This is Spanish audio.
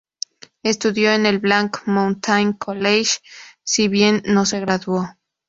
Estudió en el Black Mountain College, si bien no se graduó.